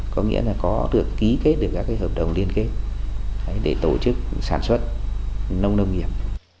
có nghĩa là có được ký kết được các hợp đồng liên kết để tổ chức sản xuất nông nông nghiệp